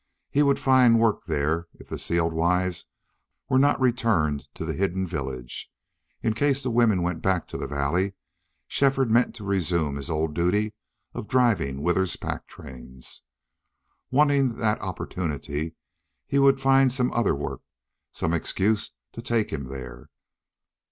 He would find work there, if the sealed wives were not returned to the hidden village. In case the women went back to the valley Shefford meant to resume his old duty of driving Withers's pack trains. Wanting that opportunity, he would find some other work, some excuse to take him there.